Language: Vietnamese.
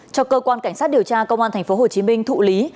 cho cơ quan cảnh sát điều tra công an tp hcm thụ lý